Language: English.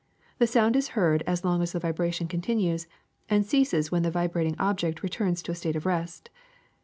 The sound is heard as long as the vibration continues, and ceases when the vibrating object returns to a state of rest.